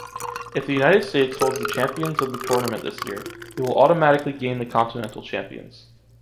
If the United States holds the champions of the tournament this year, it will automatically gain the continental champions.